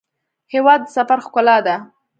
هېواد د سفر ښکلا ده.